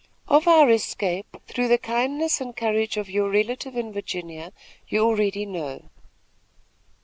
Of our escape, through the kindness and courage of your relative in Virginia, you already know."